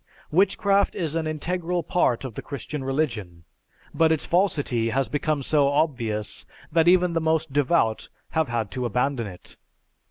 Witchcraft is an integral part of the Christian religion, but its falsity has become so obvious that even the most devout have had to abandon it.